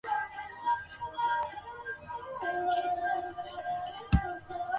行政区划属于冲绳县宫古岛市。